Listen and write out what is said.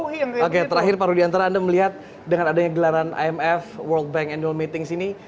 oke terakhir pak rudiantara anda melihat dengan adanya gelaran imf world bank annual meeting sini